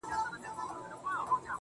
لا به چي تا پسې بهيږي اوښکي څه وکړمه_